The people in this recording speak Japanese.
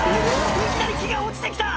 いきなり木が落ちて来た！